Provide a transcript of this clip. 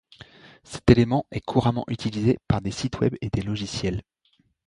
Cet élément est couramment utilisé par des sites Web et des logiciels.